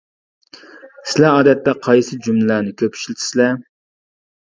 سىلەر ئادەتتە قايسى جۈملىلەرنى كۆپ ئىشلىتىسىلەر.